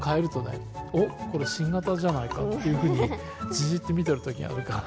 「おっこれ新型じゃないか」っていうふうにじって見てる時があるから。